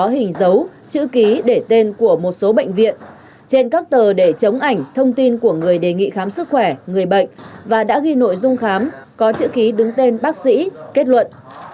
hình dấu chữ ký để tên của một số bệnh viện trên các tờ để chống ảnh thông tin của người đề nghị khám sức khỏe người bệnh và đã ghi nội dung khám có chữ ký đứng tên bác sĩ kết luận